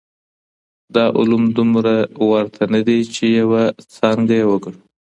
دا علوم دومره ورته نه دي چي يوه څانګه يې وګڼو.